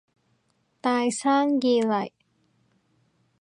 大生意嚟